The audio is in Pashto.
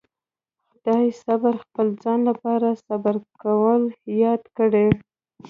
خدای صبر خپل ځان لپاره صبر کول ياد کړي.